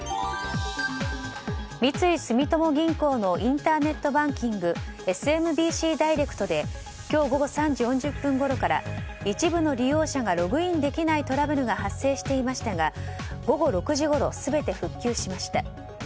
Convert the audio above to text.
三井住友銀行のインターネットバンキングＳＭＢＣダイレクトで今日午後３時４０分ごろから一部の利用者がログインできないトラブルが発生していましたが午後６時ごろ全て復旧しました。